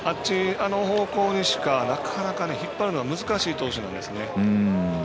あの方向にしかなかなか引っ張るのが難しいんですね。